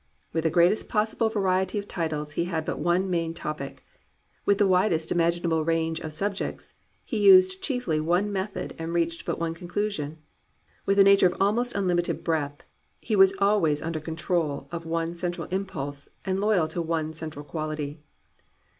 With the greatest possible variety of titles he had but one main topic; with the widest imaginable range of sub jects, he used chiefly one method and reached but one conclusion; with a nature of almost unlimited breadth he was always imder control of one cen tral impulse and loyal to one central quality.